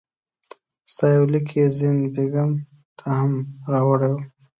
ستا یو لیک یې زین بېګم ته هم راوړی وو.